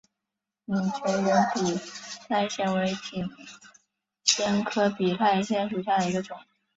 拟全缘比赖藓为锦藓科比赖藓属下的一个种。